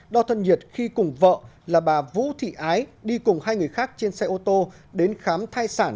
đo thân nhiệt khi cùng vợ là bà vũ thị ái đi cùng hai người khác trên xe ô tô đến khám thai sản